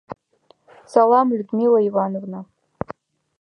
— Салам, Людмила Ивановна!